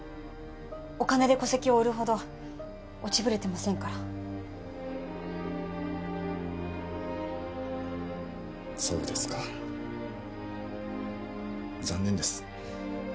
お金で戸籍を売るほど落ちぶれてませんからそうですか残念です